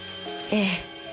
ええ。